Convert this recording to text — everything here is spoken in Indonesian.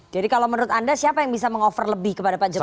jadi kalau menurut anda siapa yang bisa meng offer lebih kepada pak jokowi